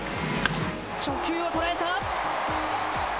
初球を捉えた。